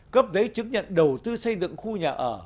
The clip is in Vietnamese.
cấp giấy chứng nhận đầu tư xây dựng khu nhà ở